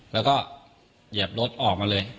แล้วก็เหยียบรถออกมาเลย